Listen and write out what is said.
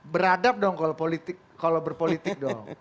beradab dong kalau politik kalau berpolitik dong